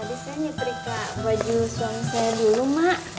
tadi saya nyetrika baju suami saya dulu mak